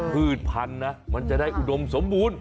พืชพันธุ์นะมันจะได้อุดมสมบูรณ์